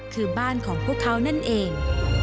คือบ้านของพวกเขานั่นเอง